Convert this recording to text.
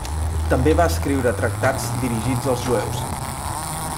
També va escriure tractats dirigits als jueus.